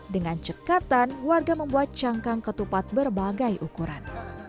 dengan cekatan warga membuat cangkang ketupat berbagai ukuran